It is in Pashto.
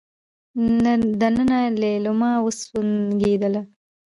دننه ليلما وسونګېدله.